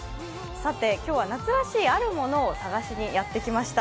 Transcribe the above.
さて、今日は夏らしいあるものを探しにやって来ました。